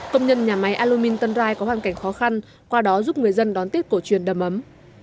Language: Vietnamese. công nhân nhà máy alumin tân rai có hoàn cảnh khó khăn qua đó giúp người dân đón tết cổ truyền đầm ấm